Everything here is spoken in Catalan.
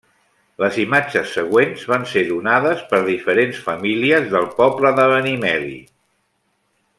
Les imatges següents van ser donades per diferents famílies del poble de Benimeli.